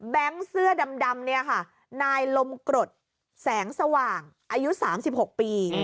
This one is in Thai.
เสื้อดำเนี่ยค่ะนายลมกรดแสงสว่างอายุ๓๖ปี